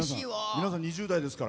皆さん２０代ですから。